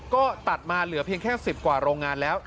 ก็ตัดมาเหลือเพียงแค่๑๐กว่าโรงงานแล้ว